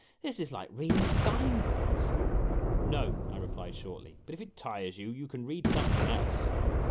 " This is like reading siori boards !"<_> "No," I replied shortly, "but if it tires you, you can read some thing else."